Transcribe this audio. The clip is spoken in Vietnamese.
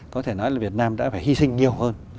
có thể nói là việt nam đã phải hy sinh nhiều hơn